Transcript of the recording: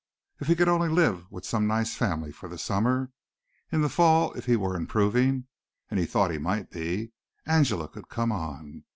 If he could only live with some nice family for the summer. In the fall if he were improving, and he thought he might be, Angela could come on.